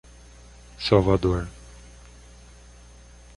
Salvador